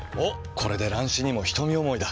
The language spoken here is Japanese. これで乱視にも瞳思いだ。